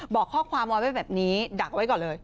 บอกข้อความเอาไว้แบบนี้ดักไว้ก่อนเลย